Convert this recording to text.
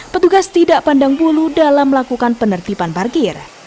petugas tidak pandang bulu dalam melakukan penertiban parkir